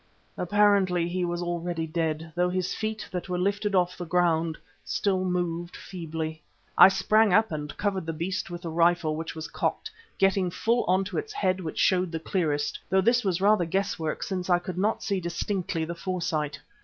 Apparently he was already dead, though his feet, that were lifted off the ground, still moved feebly. I sprang up and covered the beast with the rifle which was cocked, getting full on to its head which showed the clearest, though this was rather guesswork, since I could not see distinctly the fore sight.